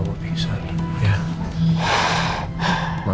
mama pikir sama dia ya